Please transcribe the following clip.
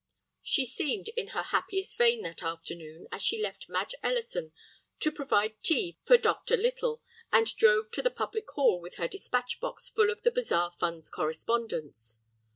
She seemed in her happiest vein that afternoon, as she left Madge Ellison to provide tea for Dr. Little, and drove to the public hall with her despatch box full of the Bazaar Fund's correspondence.